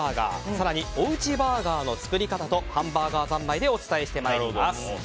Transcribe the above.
更に、おうちバーガーの作り方とハンバーガーざんまいでお伝えしてまいります。